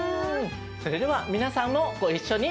それでは皆さんもご一緒に。